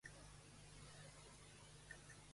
Pastor ha deixat que Campuzano discutís la decisió?